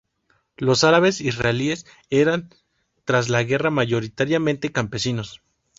Los árabes israelíes eran tras la guerra mayoritariamente campesinos.